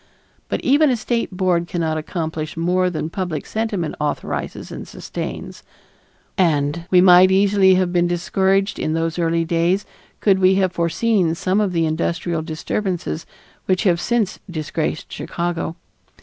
But even a state board cannot accomplish more than public sentiment authorizes and sustains, and we might easily have been discouraged in those early days could we have foreseen some of the industrial disturbances which have since disgraced Chicago.